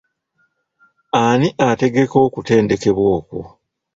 Ani ategeka okutendekebwa okwo?